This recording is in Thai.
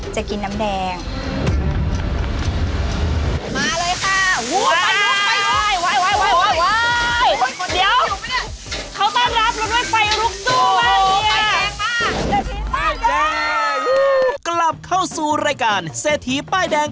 จะกินน้ำแดง